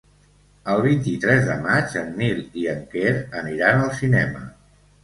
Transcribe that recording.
El vint-i-tres de maig en Nil i en Quer aniran al cinema.